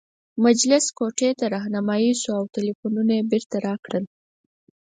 مجلس کوټې ته رهنمايي شوو او ټلفونونه یې بیرته راکړل.